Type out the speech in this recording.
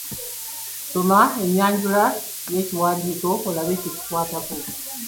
Soma ennyanjula y'ekiwandiiko olabe kye kikwatako.